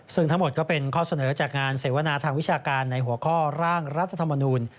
ซึ่งทั้งหมดก็เป็นข้อเสนอจากงานเสวนาทางวิชาการในหัวข้อร่างรัฐธรรมนูล